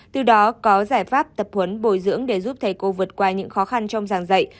từ đó có giải pháp tập huấn bồi dưỡng để giúp thầy cô vượt qua những khó khăn trong giảng dạy